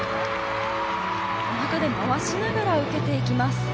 おなかで回しながら受けていきます。